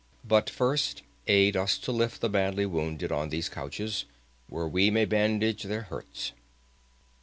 "But first aid us to lift the badly wounded on these couches where we may bandage their hurts."